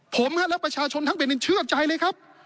ผมและประชาชนทั้งแผ่นดินเชื่อใจเลยครับ